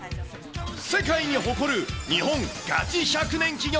世界に誇る日本ガチ１００年企業。